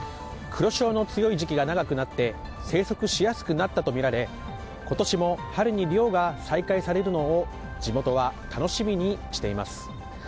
黒潮の強い時期が長くなって生息しやすくなったとみられ今年も春に漁が再開されるのを地元は楽しみにしています。